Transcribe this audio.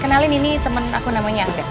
kenalin ini temen aku namanya atlet